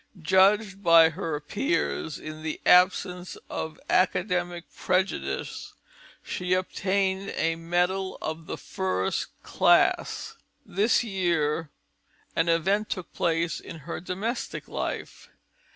Judged by her peers, in the absence of academic prejudice, she obtained a medal of the first class. This year an event took place in her domestic life.